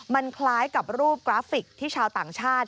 มันคล้ายกับรูปกราฟิกที่ชาวต่างชาติ